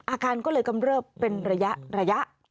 อาการก็เลยกำเริบเป็นระยะ